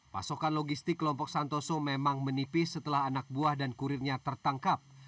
pasokan logistik kelompok santoso memang menipis setelah anak buah dan kurirnya tertangkap